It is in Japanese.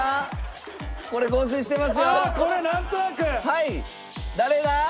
はい誰だ？